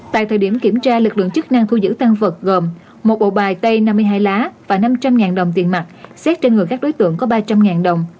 tại thời điểm kiểm tra lực lượng chức năng thu giữ tăng vật gồm một bộ bài tay năm mươi hai lá và năm trăm linh đồng tiền mặt xét trên người các đối tượng có ba trăm linh đồng